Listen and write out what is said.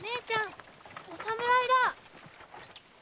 お侍だ。